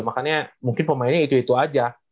makanya mungkin pemainnya itu itu aja